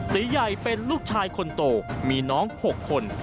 ตีใหญ่เป็นลูกชายคนโตมีน้อง๖คน